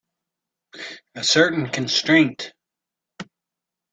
A certain constraint.